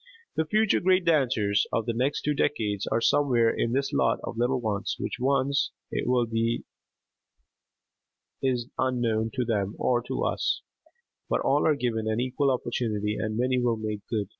The future great dancers of the next two decades are somewhere in this lot of little ones; which ones it will be is unknown to them or to us, but all are given an equal opportunity, and many will make good.